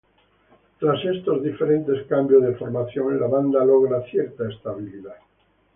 Tras estos diferentes cambios de formación, la banda logra cierta estabilidad.